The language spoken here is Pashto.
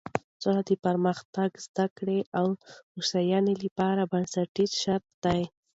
سوله د پرمختګ، زده کړې او هوساینې لپاره بنسټیز شرط دی.